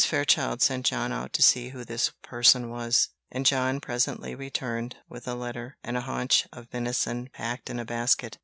Fairchild sent John out to see who this person was; and John presently returned with a letter, and a haunch of venison packed in a basket.